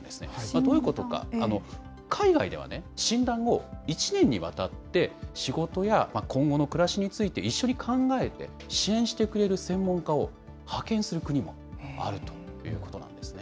どういうことか、海外では診断後、１年にわたって仕事や今後の暮らしについて、一緒に考えて、支援してくれる専門家を派遣する国もあるということなんですね。